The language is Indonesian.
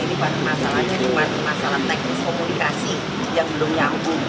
ini masalahnya cuma masalah teknis komunikasi yang belum nyambung